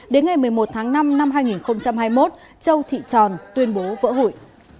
đến ngày một mươi một tháng năm năm hai nghìn hai mươi một châu thị tròn tuyên bố vỡ hủy